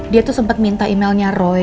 dia tuh sempat minta emailnya roy